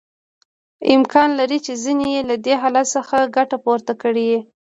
امکان لري چې ځینې یې له دې حالت څخه ګټه پورته کړي